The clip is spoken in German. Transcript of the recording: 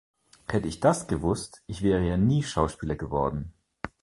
Hätte ich das gewusst, ich wäre ja nie Schauspieler geworden.